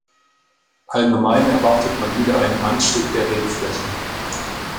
Allgemein erwartet man wieder einen Anstieg der Rebflächen.